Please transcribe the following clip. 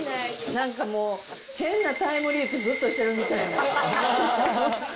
なんかもう、変なタイムリープずっとしてるみたい。